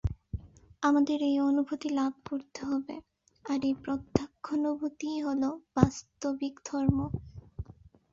আমাদের এই অনুভূতি লাভ করতে হবে, আর এই প্রত্যক্ষানুভূতিই হল বাস্তবিক ধর্ম।